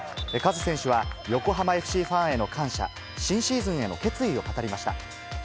カズ選手は、横浜ＦＣファンへの感謝、新シーズンへの決意を語りました。